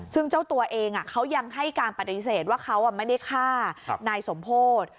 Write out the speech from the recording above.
ซึ่งเจ้าตัวเองเขายังให้การปฏิเสธว่าเขาไม่ได้ฆ่านายสมโพธิ